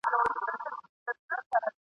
پسرلی نسته ملیاره چي رانه سې ..